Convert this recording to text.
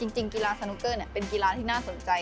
จริงกีฬาสนุกเกอร์เป็นกีฬาที่น่าสนใจ